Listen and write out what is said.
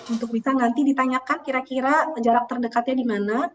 untuk bisa nanti ditanyakan kira kira jarak terdekatnya dimana